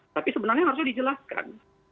tapi sebenarnya harusnya dijelaskan